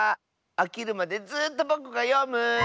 あきるまでずっとぼくがよむ。